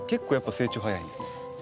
成長は早いですね。